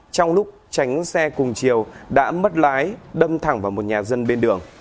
trong lúc tránh xe cùng chiều đã mất lái đâm thẳng vào một nhà dân bên đường